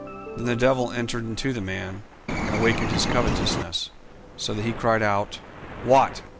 Then the devil entered into the man, and awakened his covetousness, so that he cried out "What!